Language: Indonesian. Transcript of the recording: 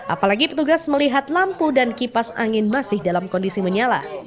apalagi petugas melihat lampu dan kipas angin masih dalam kondisi menyala